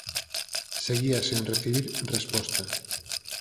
Seguía sen recibir resposta.